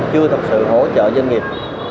chưa thực sự hỗ trợ doanh nghiệp